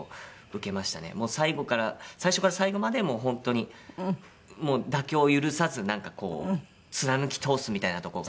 もう最後から最初から最後までもう本当に妥協を許さずなんかこう貫き通すみたいなとこが。